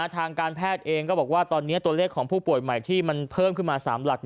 ทางการแพทย์เองก็บอกว่าตอนนี้ตัวเลขของผู้ป่วยใหม่ที่มันเพิ่มขึ้นมา๓หลัก